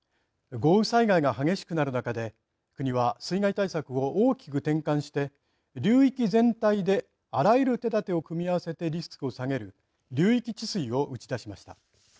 豪雨災害が激しくなる中で国は水害対策を大きく転換して流域全体であらゆる手だてを組み合わせてリスクを下げる流域治水を打ち出しました。